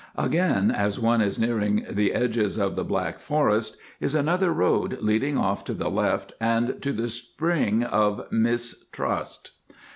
Again as one is nearing the edges of the Black Forest is another road leading off to the left and to the Spring of Mistrust.